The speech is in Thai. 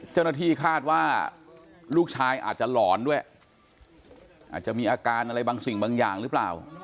เจ้าหน้าที่คาดว่าลูกชายอาจจะหลอนด้วยอาจจะมีอาการอะไรบางสิ่งบางอย่างหรือเปล่า